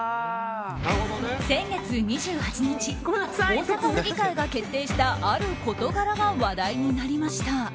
先月２８日大阪府議会が決定したある事柄が話題になりました。